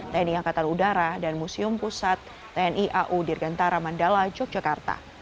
tni angkatan udara dan museum pusat tni au dirgantara mandala yogyakarta